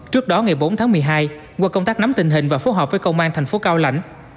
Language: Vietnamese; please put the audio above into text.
trước đó ngày bốn tháng một mươi hai qua công tác nắm tình hình và phối hợp với công an thành phố cao lãnh